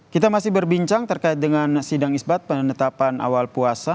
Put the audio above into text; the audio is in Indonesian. kita masih berbincang terkait dengan sidang isbat penetapan awal puasa